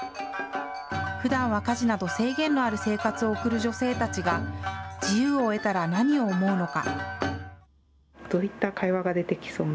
ふだんは家事など制限のある生活を送る女性たちが、自由を得たら、何を思うのか。